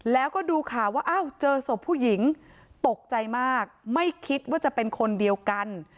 แล้วก็ดูข่าวว่าอ้าวเจอศพผู้หญิงตกใจมากไม่คิดว่าจะเป็นคนเดียวกัน